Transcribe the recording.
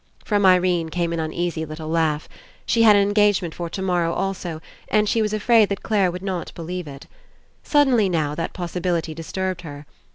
From Irene came an uneasy little laugh. She had an engagement for tomorrow also and she was afraid that Clare would not believe It. Suddenly, now, that possibility disturbed her.